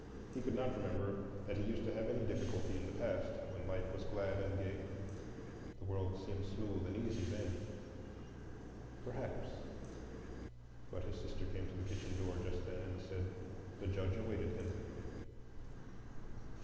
He could not remember that he used to have any difficulty in the past, when life was glad and gay. The world seemed smooth and easy then. Perhaps,—but his sister came to the kitchen door just then and said the Judge awaited him.